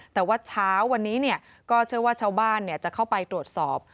แต่ว่าเช้าวันนี้ก็เชื่อว่าชาวบ้านจะเข้าไปตรวจสอบ